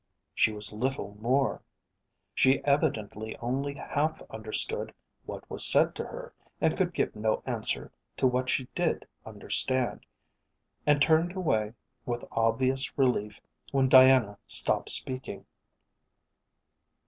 She was little more. She evidently only half understood what was said to her and could give no answer to what she did understand, and turned away with obvious relief when Diana stopped speaking.